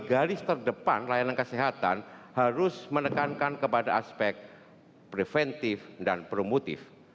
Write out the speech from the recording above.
garis terdepan layanan kesehatan harus menekankan kepada aspek preventif dan promotif